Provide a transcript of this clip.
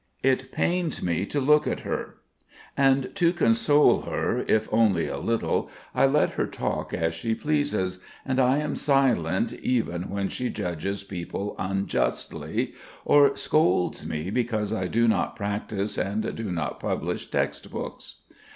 It pains me to look at her, and to console her, if only a little, I let her talk as she pleases, and I am silent even when she judges people unjustly, or scolds me because I do not practise and do not publish text books.